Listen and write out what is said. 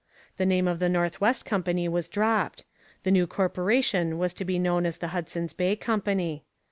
The name of the North West Company was dropped; the new corporation was to be known as the Hudson's Bay Company.